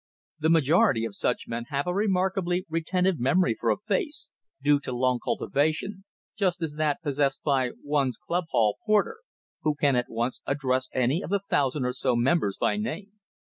The majority of such men have a remarkably retentive memory for a face, due to long cultivation, just as that possessed by one's club hall porter, who can at once address any of the thousand or so members by name.